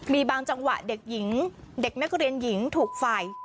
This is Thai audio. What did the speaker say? มีบางจังหวะเด็กหญิงเด็กนักเรียนหญิงถูกฝ่าย